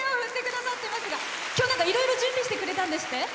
今日、いろいろ準備してくれたんですね。